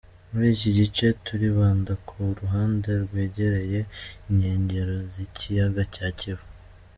Muri iki gice, turibanda ku ruhande rwegereye inkengero z’ikiyaga cya Kivu.